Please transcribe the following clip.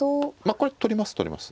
これ取ります取ります。